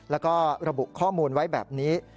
แล้วก็ระบุข้อมูลไว้แบบนี้